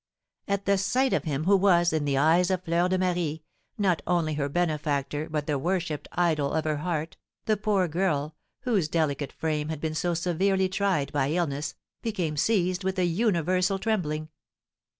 At the sight of him who was, in the eyes of Fleur de Marie, not only her benefactor but the worshipped idol of her heart, the poor girl, whose delicate frame had been so severely tried by illness, became seized with a universal trembling.